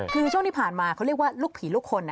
คือช่วงที่ผ่านมาเขาเรียกว่าลูกผีลูกคน